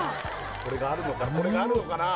これがあるのかな？